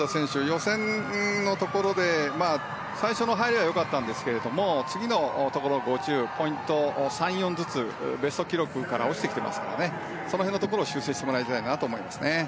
予選のところで最初の入りは良かったんですが次のところ、５０で３、４ずつベスト記録から落ちてきていますからその辺のところを修正してもらいたいなと思います。